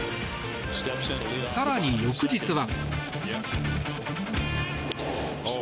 更に、翌日は。